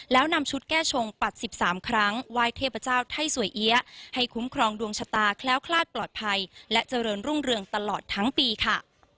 แล้วนำชุดแก้ชงปัด๑๓ครั้งไหว้เทพเจ้าไทยสวยเอี๊ยะให้คุ้มครองดวงชะตาแคล้วคลาดปลอดภัยและเจริญรุ่งเรืองตลอดทั้งปีค่ะ